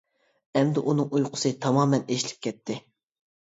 ئەمدى ئۇنىڭ ئۇيقۇسى تامامەن ئېچىلىپ كەتتى.